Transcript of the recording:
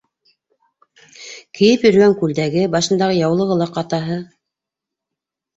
Кейеп йөрөгән күлдәге, башындағы яулығы ла ҡатаһы.